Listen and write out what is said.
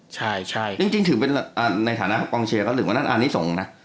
ใช่จริงถือเป็นอะไรในฐานะกองเชียร์ก็ถึงว่านั้นอาร์นิสงนะ